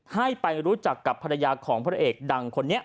ให้ไปรู้จักกับภรรยาของพระเอกดังคนนี้